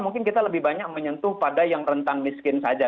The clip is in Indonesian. mungkin kita lebih banyak menyentuh pada yang rentan miskin saja